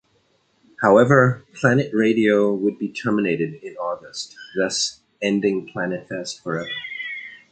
However, Planet Radio would be terminated in August thus ending Planetfest forever.